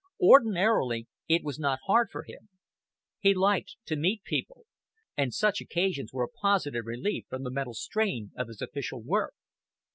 Ordinarily it was not hard for him. He liked to meet people, and such occasions were a positive relief from the mental strain of his official work.